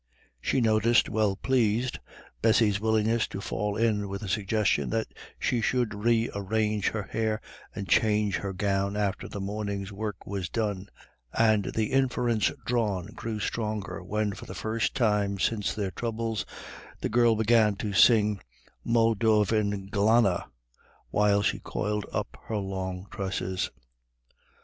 She noticed, well pleased, Bessy's willingness to fall in with the suggestion that she should re arrange her hair and change her gown after the morning's work was done; and the inference drawn grew stronger, when, for the first time since their troubles, the girl began to sing "Moll Dhuv in Glanna" while she coiled up her long tresses.